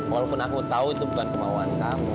walaupun aku tahu itu bukan kemauan kamu